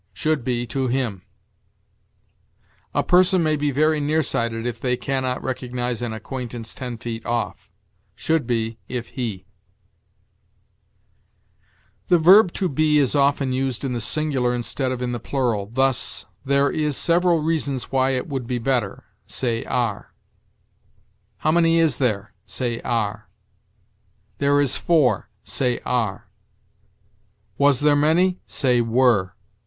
Should be, to him. "A person may be very near sighted if they can not recognize an acquaintance ten feet off." Should be, if he. The verb to be is often used in the singular instead of in the plural; thus, "There is several reasons why it would be better": say, are. "How many is there?" say, are. "There is four": say, are. "Was there many?" say, were.